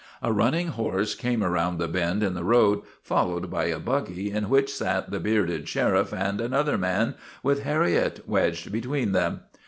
A running horse came around the bend in the road, followed by a buggy in which sat the bearded sheriff and another man, with Harriet wedged between them.